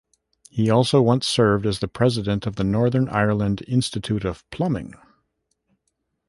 He also once served as the President of the Northern Ireland Institute of Plumbing.